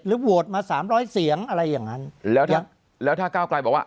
โหวตมาสามร้อยเสียงอะไรอย่างนั้นแล้วถ้าก้าวกลายบอกว่า